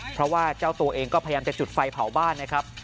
เพราะว่าเจ้าตัวเองก็พยายามจะจุดไฟเผาบ้านนะครับ